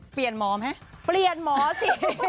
เปลี่ยนหมอไหมเปลี่ยนหมอสิ